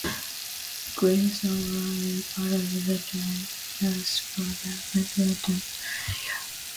Greensboro is part of the Tallahassee, Florida Metropolitan Statistical Area.